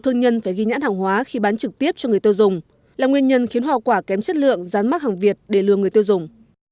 nhãn hàng hóa khi bán trực tiếp cho người tiêu dùng là nguyên nhân khiến họ quả kém chất lượng rán mắc hàng việt để lừa người tiêu dùng